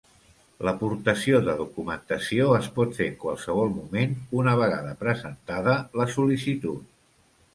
L'aportació de documentació es pot fer en qualsevol moment una vegada presentada la sol·licitud.